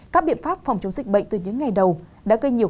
các biện pháp phòng chống dịch bệnh từ những ngày đầu